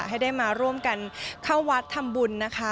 ให้ได้มาร่วมกันเข้าวัดทำบุญนะคะ